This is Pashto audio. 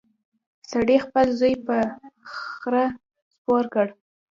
سړي خپل زوی په خره سپور کړ.